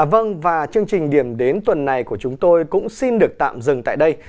vâng và chương trình điểm đến tuần này của chúng tôi cũng xin được tạm dừng tại đây